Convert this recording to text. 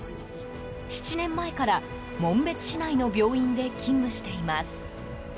７年前から、紋別市内の病院で勤務しています。